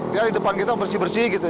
biar di depan kita bersih bersih gitu